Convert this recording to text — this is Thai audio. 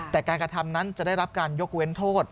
แต่การกระทำนั้นจะได้รับการยกเว้นโทษ